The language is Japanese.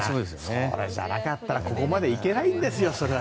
そうじゃなかったらここまで行けないんですよ。